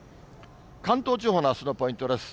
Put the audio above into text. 関東地方のあすのポイントです。